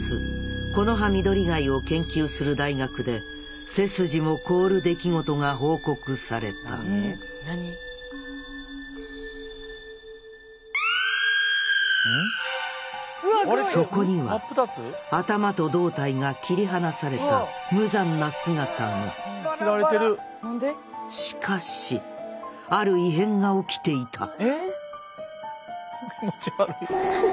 コノハミドリガイを研究する大学で背筋も凍る出来事が報告されたそこには頭と胴体が切り離された無残な姿がしかしある異変が起きていた気持ち悪い。